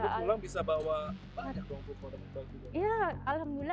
lalu pulang bisa bawa banyak dong buku buku baju